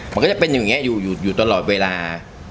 มันก็จะเป็นอย่างนี้อยู่ตลอดเวลา